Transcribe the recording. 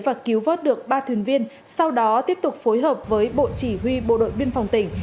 và cứu vớt được ba thuyền viên sau đó tiếp tục phối hợp với bộ chỉ huy bộ đội biên phòng tỉnh